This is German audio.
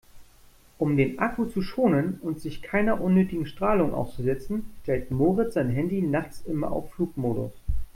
Um den Akku zu schonen und sich keiner unnötigen Strahlung auszusetzen, stellt Moritz sein Handy nachts immer auf Flugmodus.